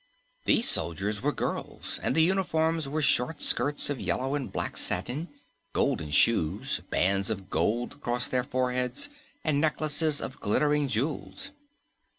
These soldiers were girls, and the uniforms were short skirts of yellow and black satin, golden shoes, bands of gold across their foreheads and necklaces of glittering jewels.